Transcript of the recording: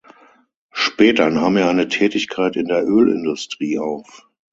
Später nahm er eine Tätigkeit in der Ölindustrie auf.